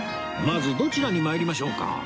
まずどちらに参りましょうか？